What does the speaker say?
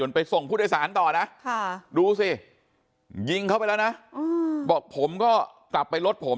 ไปส่งผู้โดยสารต่อนะดูสิยิงเข้าไปแล้วนะบอกผมก็กลับไปรถผม